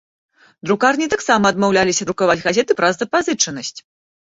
Друкарні таксама адмаўляліся друкаваць газеты праз запазычанасць.